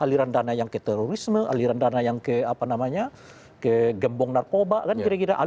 aliran dana yang ke terorisme aliran dana yang ke apa namanya ke gembong narkoba kan kira kira